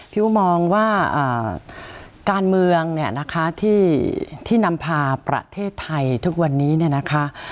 พี่อู้มองว่าการเมืองที่นำพาประเทศไทยทุกวันนี้นะคะ